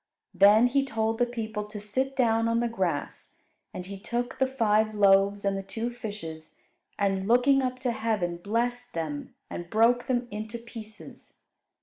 Then He told the people to sit down on the grass; and He took the five loaves and the two fishes, and, looking up to heaven, blessed them and broke them into pieces.